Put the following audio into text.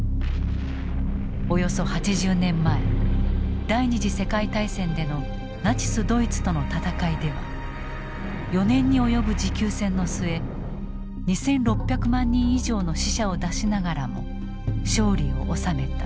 およそ８０年前第２次世界大戦でのナチス・ドイツとの戦いでは４年に及ぶ持久戦の末２，６００万人以上の死者を出しながらも勝利を収めた。